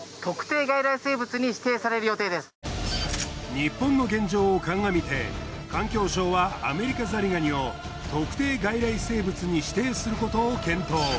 日本の現状を鑑みて環境省はアメリカザリガニを特定外来生物に指定することを検討。